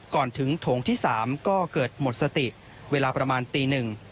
ก่อนถึงโถงที่๓ก็เกิดหมดสติเวลาประมาณตีหนึ่ง